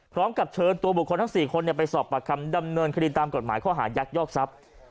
พร้อมกับเชิญตัวบุคคลทั้ง๔คนไปสอบปากคำดำเนินคดีตามกฎหมายข้อหายักยอกทรัพย์